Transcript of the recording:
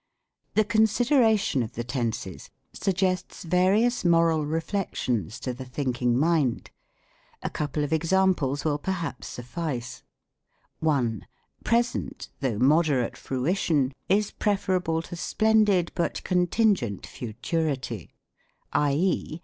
The consideration of the tenses suggests various moral i eflectiors to the thinking mind. A couple of examples will perhaps suffice ;— 1. Present, though moderate fruition, is preferable to splendid, but contingent futurity ; i. e.